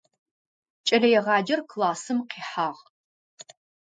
Кӏэлэегъаджэр классым къихьагъ.